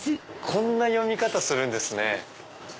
こんな読み方するんですね。